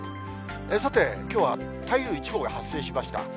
さて、きょうは台風１号が発生しました。